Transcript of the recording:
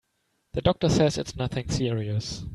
The doctor says it's nothing serious.